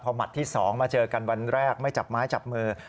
หมัดที่๒มาเจอกันวันแรกไม่จับไม้จับมือ